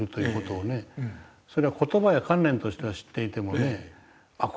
それは言葉や観念としては知っていてもねあっ